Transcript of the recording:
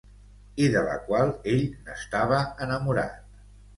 I de la qual ell n'estava enamorat.